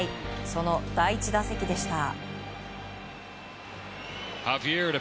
その第１打席でした。